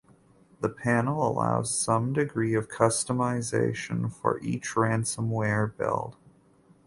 The panel allows some degree of customization for each ransomware build.